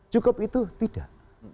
cukup itu tidak